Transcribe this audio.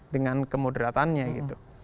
dengan kemoderatannya gitu